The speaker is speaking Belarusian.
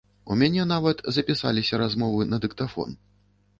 У мяне нават запісаліся размовы на дыктафон.